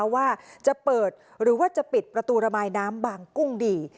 ว่าจะเปิดหรือว่าจะปิดประตูระบายน้ำบางกุ้งดี